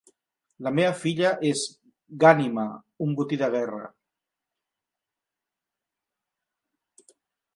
La meva filla és Ghanima, un botí de guerra.